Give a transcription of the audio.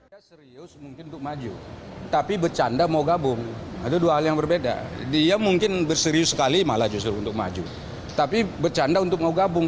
dia serius mungkin untuk maju tapi bercanda mau gabung ada dua hal yang berbeda dia mungkin berserius sekali malah justru untuk maju tapi bercanda untuk mau gabung